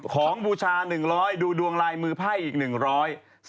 ของบูชา๑๐๐ดูดวงลายมือไพ่อีก๑๐๐